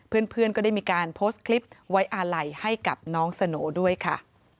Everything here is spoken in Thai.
เพื่อนก็ได้มีการโพสต์คลิปไว้อาลัยให้กับน้องสโหน่ด้วยค่ะ